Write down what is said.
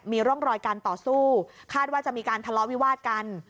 มีร่องรอยการต่อสู้คาดว่าจะมีการทะเลาะวิวาดกัน